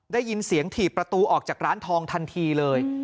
ได้ยินเสียงถีบประตูออกจากร้านทองทันทีเลย